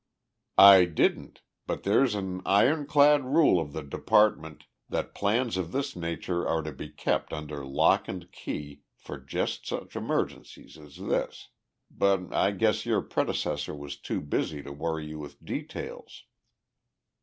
"I didn't but there's an ironclad rule of the department that plans of this nature are to be kept under lock and key for just such emergencies as this. But I guess your predecessor was too busy to worry you with details."